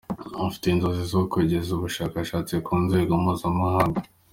Afite inzozi zo kugeza ubushakashatsi ku rwego mpuzamahanga.